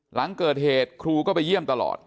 หลังเกิดเหตุครูก็ไปเยี่ยมตลอด